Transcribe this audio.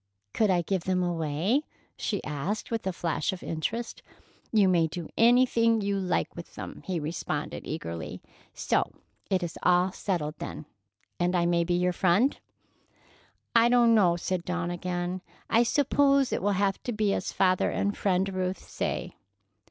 "Could I give them away?" she asked with a flash of interest. "You may do anything you like with them," he responded eagerly. "So it is all settled, then, and I may be your friend?" "I don't know," said Dawn again. "I suppose it will have to be as father and Friend Ruth say."